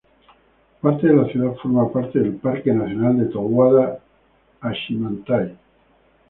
Parte de la ciudad forma parte del Parque nacional de Towada-Hachimantai.